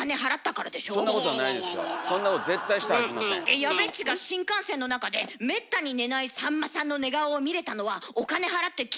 えっやべっちが新幹線の中でめったに寝ないさんまさんの寝顔を見れたのはお金払って切符買ったからでしょ？